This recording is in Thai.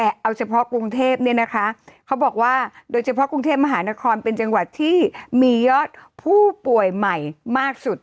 เอาเฉพาะกรุงเทพเนี่ยนะคะเขาบอกว่าโดยเฉพาะกรุงเทพมหานครเป็นจังหวัดที่มียอดผู้ป่วยใหม่มากสุด